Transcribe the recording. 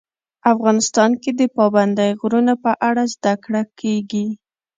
افغانستان کې د پابندی غرونه په اړه زده کړه کېږي.